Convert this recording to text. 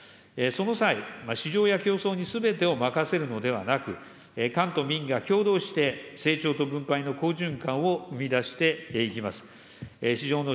その際、市場や競争にすべてを任せるのではなく、官と民が協働して、成長と分配の好循環を生み出していきます。